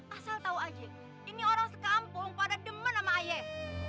asal tahu haji ini orang sekampung pada demen sama ayah